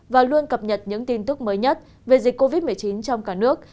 và luôn cập nhật những tin tức mới nhất về dịch covid một mươi chín trong cả nước